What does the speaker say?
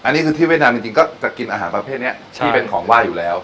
อันนี้คือที่เวียดนามจริงก็จะกินอาหารประเภทนี้ที่เป็นของไหว้อยู่แล้ว